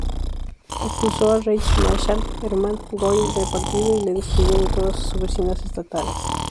Expulsó al"Reichsmarschall" Hermann Göring del partido y le despidió de todas sus oficinas estatales.